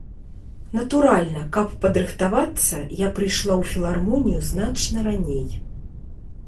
Натуральна, каб падрыхтавацца, я прыйшла ў філармонію значна раней.